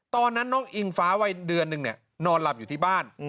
ตอนนั้นน้องอิงฟ้าวัยเดือนนึงเนี่ยนอนหลับอยู่ที่บ้าน